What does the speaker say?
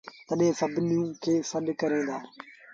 تڏهيݩ سڀنيوٚن کي سڏ ڪريݩ دآ